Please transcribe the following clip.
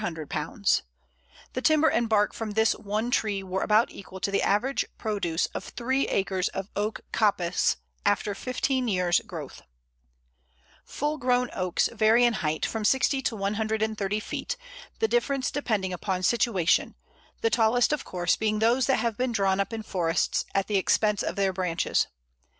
The timber and bark from this one tree were about equal to the average produce of three acres of oak coppice after fifteen years growth. [Illustration: Pl. 2. Oak summer.] [Illustration: Pl. 3. Oak winter.] Full grown oaks vary in height from sixty to one hundred and thirty feet, the difference depending upon situation; the tallest, of course, being those that have been drawn up in forests, at the expense of their branches.